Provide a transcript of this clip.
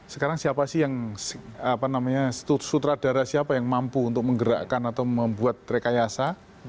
sekarang siapa sih yang sutradara siapa yang mampu untuk menggerakkan atau membuat rekayasa